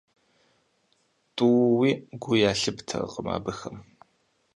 ТӀууи гу ялъыптэркъым абыхэм.